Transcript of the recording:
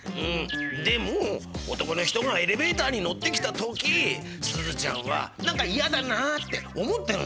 でも男の人がエレベーターに乗ってきた時スズちゃんはなにかいやだなって思ったよね。